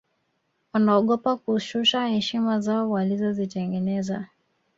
wanaogopa kushusha heshima zao walizozitengeneza